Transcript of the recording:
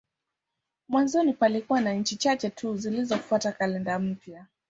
Mwanzoni palikuwa na nchi chache tu zilizofuata kalenda mpya.